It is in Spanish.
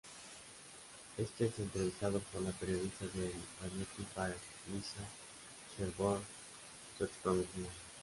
Este es entrevistado por la periodista del "Vanity Fair" Lisa Sherborne, su ex-prometida.